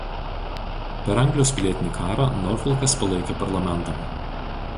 Per Anglijos pilietinį karą Norfolkas palaikė parlamentą.